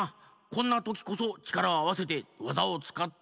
こんなときこそちからをあわせてわざをつかってここからでる！